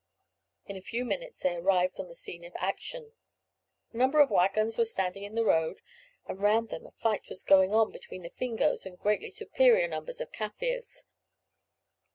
In a few minutes they arrived on the scene of action. A number of waggons were standing in the road, and round them a fight was going on between the Fingoes and greatly superior numbers of Kaffirs.